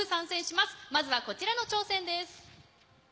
まずはこちらの挑戦です。